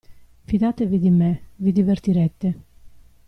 Fidatevi di me, vi divertirete.